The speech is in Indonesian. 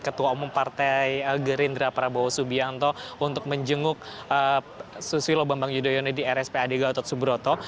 ketua umum partai gerindra prabowo subianto untuk menjenguk susilo bambang yudhoyono di rspad gautot subroto